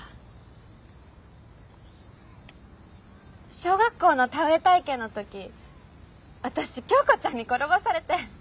小学校の田植え体験の時私清子ちゃんに転ばされて。